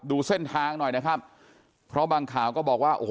ดูเส้นทางหน่อยนะครับเพราะบางข่าวก็บอกว่าโอ้โห